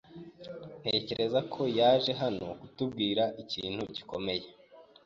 Ntekereza ko yaje hano kutubwira ikintu gikomeye.